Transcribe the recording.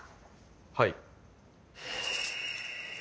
はい。